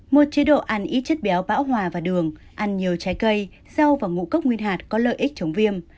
một chế độ ăn ít chất béo bão hòa và đường ăn nhiều trái cây rau và ngũ cốc nguyên hạt có lợi ích chống viêm